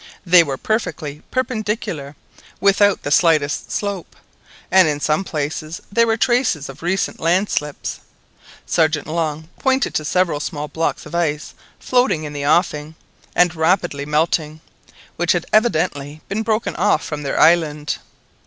They were perfectly perpendicular, without the slightest slope, and in some places there were traces of recent landslips. Sergeant Long pointed to several small blocks of ice floating in the offing, and rapidly melting, which had evidently been broken off from their island.